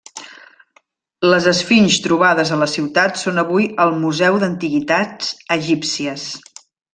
Les esfinxs trobades a la ciutat són avui al Museu d'Antiguitats Egípcies.